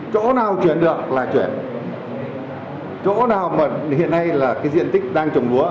chỗ nào chuyển được là chuyển chỗ nào mà hiện nay là cái diện tích đang trồng lúa